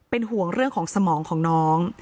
เป็นห่วงเรื่องของสมองของน้อง